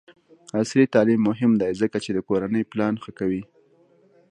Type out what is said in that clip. عصري تعلیم مهم دی ځکه چې د کورنۍ پلان ښه کوي.